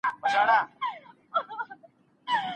ته چي صبر کړې غرور پکښې څرګند دی